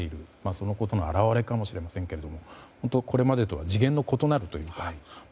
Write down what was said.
そのことの表れかもしれませんがこれまでとは次元の異なるというか。